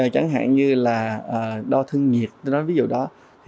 chẳng hạn như là đo thương nhiệt ví dụ đó